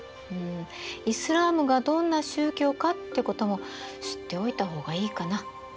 イスラームがどんな宗教かってことも知っておいた方がいいかな。